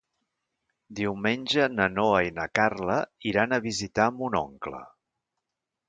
Diumenge na Noa i na Carla iran a visitar mon oncle.